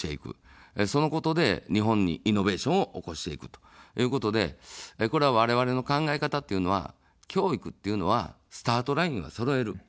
そのことで日本にイノベーションを起こしていくということで、これ、われわれの考え方というのは教育っていうのは、スタートラインをそろえる。